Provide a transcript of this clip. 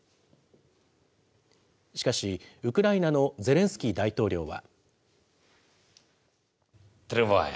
しかし、ウクライナのゼレンスキー大統領は。